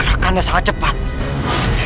rakan asal cepat